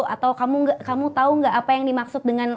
atau kamu tahu nggak apa yang dimaksud dengan